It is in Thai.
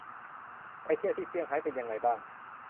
ไปเที่ยวที่ เซียงไฮ้ เป็นยังไงบ้าง ?